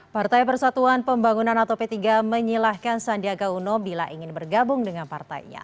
partai persatuan pembangunan atau p tiga menyilahkan sandiaga uno bila ingin bergabung dengan partainya